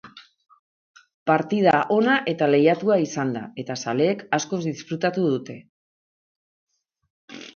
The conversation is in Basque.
Partida ona eta lehiatua izan da, eta zaleek asko disfrutatu dute.